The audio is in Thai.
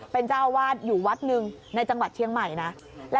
เป็นเจ้าอาวาสอยู่วัดหนึ่งในจังหวัดเชียงใหม่นะ